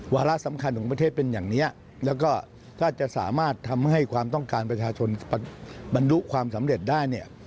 วาระสำคัญของประเทศเป็นอย่างนี้แล้วก็ถ้าจะสามารถทำให้ความต้องการประชาชนบรรดุความสำเร็จได้เนี่ย